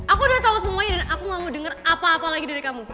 aku udah tau semuanya dan aku mau denger apa apa lagi dari kamu